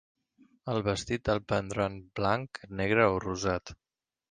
El vestit, el prendran blanc, negre o rosat?